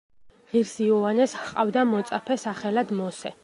ღირს იოანეს ჰყავდა მოწაფე, სახელად მოსე.